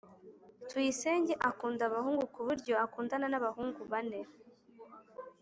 Tuyisenge akunda abahungu kuburyo akundana nabahungu bane